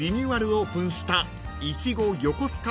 オープンした］